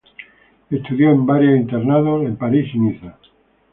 Estudió en varios internados de París y Niza.